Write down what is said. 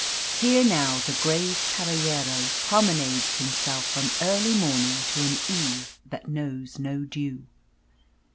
Here now the grave caballero promenades himself from early morning to an eve that knows no dew.